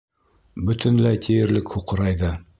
— Бөтөнләй тиерлек һуҡырайҙы.